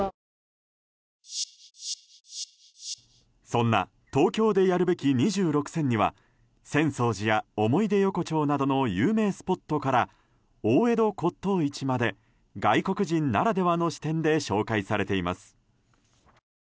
そんな「東京でやるべき２６選」には浅草寺や思い出横丁などの有名スポットや大江戸骨董市まで外国人ならではの視点で紹介されています。